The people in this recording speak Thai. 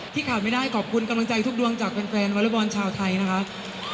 ขาดไม่ได้ขอบคุณกำลังใจทุกดวงจากแฟนวอเล็กบอลชาวไทยนะคะ